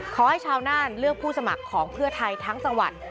ชาวน่านเลือกผู้สมัครของเพื่อไทยทั้งจังหวัด